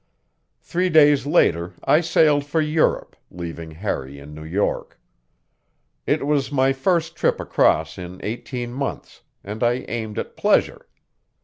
Three days later I sailed for Europe, leaving Harry in New York. It was my first trip across in eighteen months, and I aimed at pleasure.